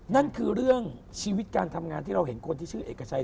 นั่นคือเรื่องชีวิตการทำงานที่เราเห็นคนที่ชื่อเอกชัย